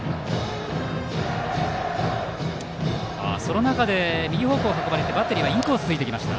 その中で右方向に運ばれてバッテリーはインコースを使ってきました。